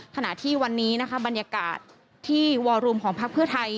ขณะที่วันนี้นะคะบรรยากาศที่วอรูมของพักเพื่อไทย